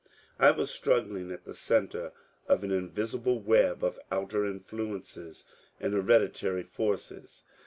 I was struggling at the centre of an invisible web of outer influences and hereditary forces.